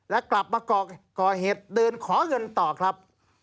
และกลับมาก่อเหตุเดินขอเงินต่อครับ